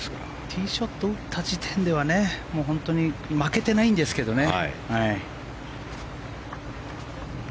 ティーショットを打った時点では本当に負けてないんですけどね。